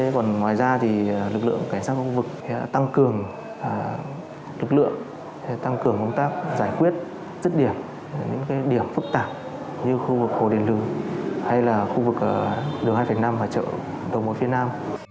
thế còn ngoài ra thì lực lượng cảnh sát khu vực đã tăng cường lực lượng tăng cường công tác giải quyết rất điểm những điểm phức tạp như khu vực hồ đền lương hay là khu vực đường hai năm và chợ đồng bộ phía nam